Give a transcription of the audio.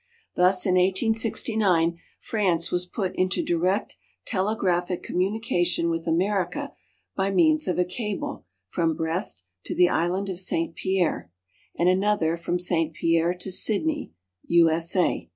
Thus in 1869 France was put into direct telegraphic communication with America by means of a cable from Brest to the island of St. Pierre, and another from St. Pierre to Sydney, U.S.A.